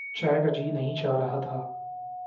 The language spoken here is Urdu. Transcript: چائے کا جی نہیں چاہ رہا تھا۔